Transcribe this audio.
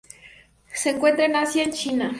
Se encuentran en Asia, en China.